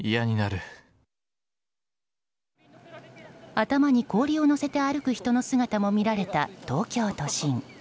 頭に氷を乗せて歩く人の姿も見られた東京都心。